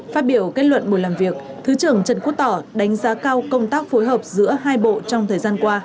phát biểu kết luận buổi làm việc thứ trưởng trần quốc tỏ đánh giá cao công tác phối hợp giữa hai bộ trong thời gian qua